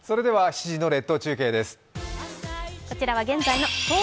７時の列島中継です。